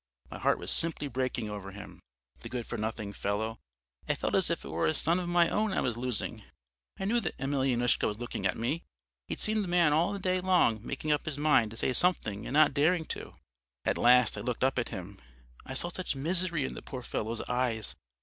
My heart was simply breaking over him, the good for nothing fellow; I felt as if it were a son of my own I was losing. I knew that Emelyanoushka was looking at me. I'd seen the man all the day long making up his mind to say something and not daring to. "At last I looked up at him; I saw such misery in the poor fellow's eyes.